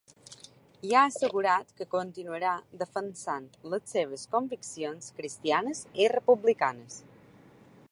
I ha assegurat que continuarà defensat les seves ‘conviccions cristianes i republicanes’.